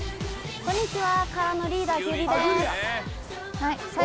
こんにちは。